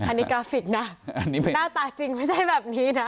อันนี้กราฟิกน่ะอันนี้มันน่าตาจริงไม่ได้แบบนี้น่ะ